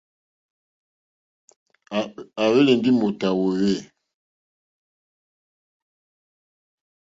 À hwélì ndí mòtà wòòwê.